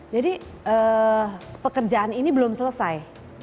jadi pekerjaan ini belum selesai